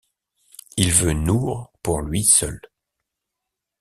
Il veut Nour pour lui seul.